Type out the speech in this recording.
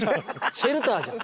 シェルターじゃん。